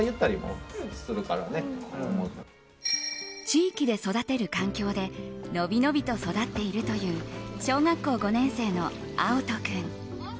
地域で育てる環境でのびのびと育っているという小学校５年生の蒼都君。